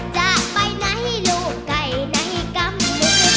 จะไปไหนลูกไก่ไหนกำลูก